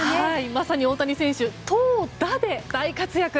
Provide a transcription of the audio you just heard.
まさに大谷選手投打で大活躍。